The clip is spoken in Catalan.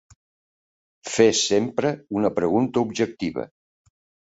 Fes sempre una pregunta objectiva.